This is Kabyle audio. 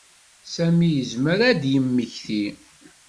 Sami yezmer ad d-yemmeki.